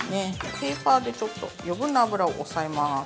ペーパーでちょっと、余分な脂を押さえます。